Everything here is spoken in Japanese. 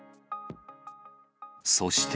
そして。